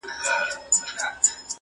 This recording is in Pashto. راته مه راکوه زېری د ګلونو د ګېډیو٫